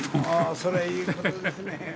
それいいことですね。